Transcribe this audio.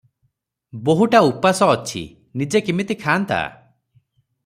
ବୋହୂଟା ଉପାସ ଅଛି, ନିଜେ କିମିତି ଖାନ୍ତା?